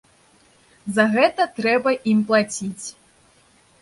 За гэта трэба ім плаціць.